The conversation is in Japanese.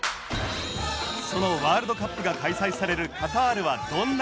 そのワールドカップが開催されるカタールはどんな国なのか？